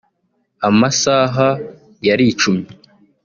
Amasaha yaricumye